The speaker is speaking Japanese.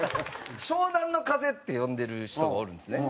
「湘南乃風」って呼んでる人がおるんですね。